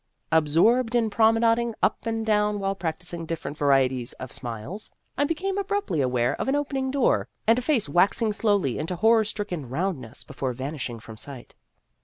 Absorbed in promenad ing up and down while practising different varieties of smiles, I became abruptly aware of an opening door and a face waxing slowly into horror stricken round ness before vanishing from sight.